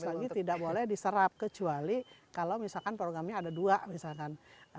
sekali lagi tidak boleh diserap kecuali kalau misalkan programnya ada dua misalkan